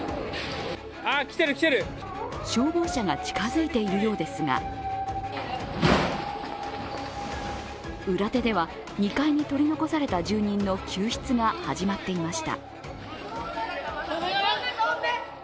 消防車が近づいているようですが裏手では、２階に取り残された住人の救出が始まっていました。